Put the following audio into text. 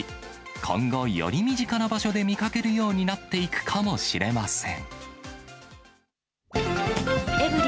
今後、より身近な場所で見かけるようになっていくかもしれません。